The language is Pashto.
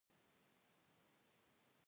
هندسي ډیزاینونه د ودانیو ښکلا لپاره کارول شوي.